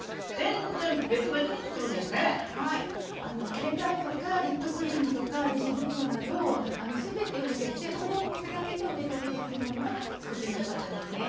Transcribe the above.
携帯とかリップクリームとかレジ袋など全てを入れてこれを持つだけでお出かけできるものを作ってみたかったんですね。